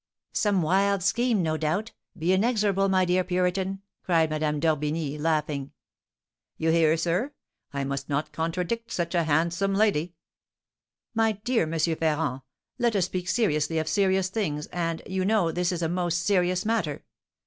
"Some wild scheme, no doubt. Be inexorable, my dear Puritan," cried Madame d'Orbigny, laughing. "You hear, sir? I must not contradict such a handsome lady." "My dear M. Ferrand, let us speak seriously of serious things, and, you know, this is a most serious matter.